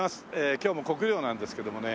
今日も国領なんですけどもね